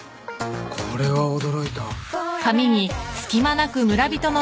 これは驚いた。